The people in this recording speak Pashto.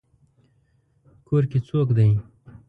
کور کې څوک دی؟